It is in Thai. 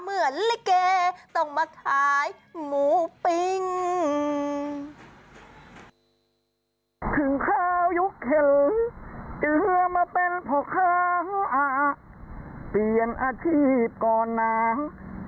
เมื่อลิเกต้องมาขายหมูปิ้ง